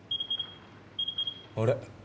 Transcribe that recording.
あれ？